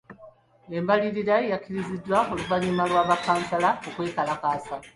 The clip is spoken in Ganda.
Embalirira yakkiriziddwa oluvannyuma lwa ba Kkansala okwekalakaasa.